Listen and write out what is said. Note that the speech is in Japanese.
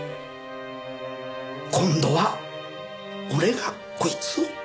今度は俺がこいつを。